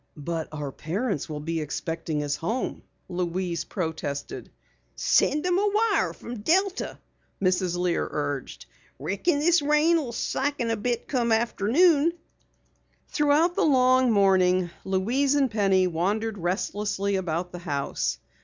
"But our parents will be expecting us home," Louise protested. "Send 'em a wire from Delta," Mrs. Lear urged. "Reckon this rain'll maybe slacken a bit come afternoon." Throughout the long morning Louise and Penny wandered restlessly about the house.